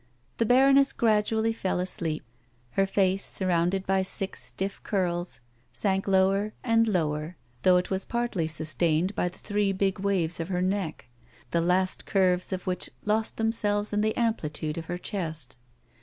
The baroness gradually fell asleep ; her face, surrounded by six stiff curls, sank lower and lower, though it was partly sustained by the three big waves of her neck, the last curves of which lost themselves in the amplitude of her chest.